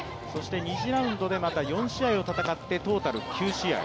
２次ラウンドでまた４試合を戦って、トータル９試合。